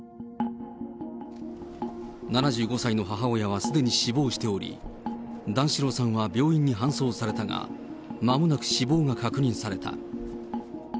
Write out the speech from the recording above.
７５歳の母親はすでに死亡しており、段四郎さんは病院に搬送されたが、まもなく死亡が確認された。